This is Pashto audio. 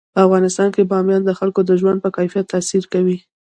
په افغانستان کې بامیان د خلکو د ژوند په کیفیت تاثیر کوي.